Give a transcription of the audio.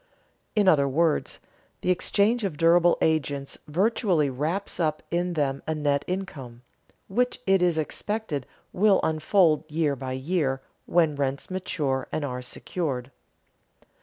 In other words, the exchange of durable agents virtually wraps up in them a net income, which it is expected will unfold year by year when rents mature and are secured.